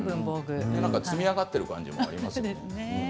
積み上がっている感じがありますね。